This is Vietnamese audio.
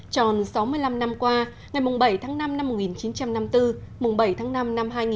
tròn sáu mươi năm năm qua ngày bảy tháng năm năm một nghìn chín trăm năm mươi bốn bảy tháng năm năm hai nghìn hai mươi bốn